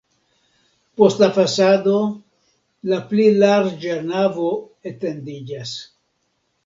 Post la fasado la pli larĝa navo etendiĝas.